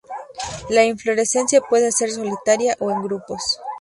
La inflorescencia puede ser solitaria o en grupos.